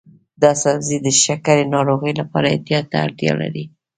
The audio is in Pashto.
دا سبزی د شکرې ناروغانو لپاره احتیاط ته اړتیا لري.